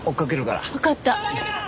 わかった。